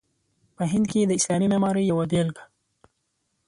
په هند کې د اسلامي معمارۍ یوه بېلګه.